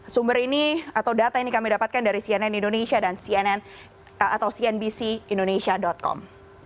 sumber ini atau data ini kami dapatkan dari cnn indonesia dan cnn atau cnbc indonesia com